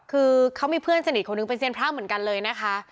คือเขามีเพื่อนสนิทคนนึงเป็นเซียนพระเหมือนกันเลยนะคะ